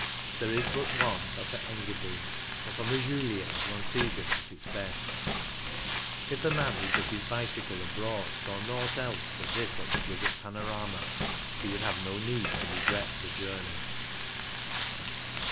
There is but one Upper Engadine, and from the Julier one sees it at its best If the man who took his bicycle abroad saw nought else but this exquisite panorama, he would have no need to regret the journey.